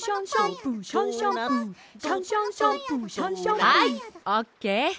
はいオッケー！